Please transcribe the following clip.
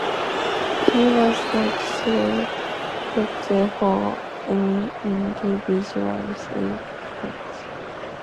He was not selected for any individual events.